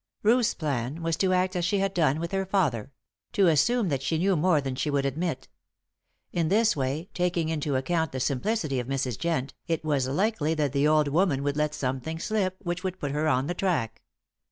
Ruth's plan was to act as she had done with her father to assume that she knew more than she would admit. In this way, taking into account the simplicity of Mrs. Jent, it was likely that the old woman would let something slip which would put her on the track.